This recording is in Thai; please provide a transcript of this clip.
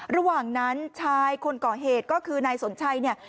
ระหว่างนั้นชายคนก่อเหตุก็คือนายสนชัยเนี่ย